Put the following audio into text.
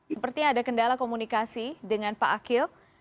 sepertinya ada kendala komunikasi dengan pak akil